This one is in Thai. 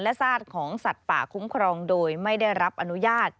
ซากของสัตว์ป่าคุ้มครองโดยไม่ได้รับอนุญาต